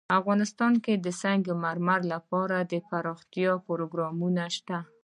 افغانستان کې د سنگ مرمر لپاره دپرمختیا پروګرامونه شته.